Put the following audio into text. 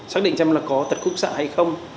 xác định xem là có tật khúc xạ hay không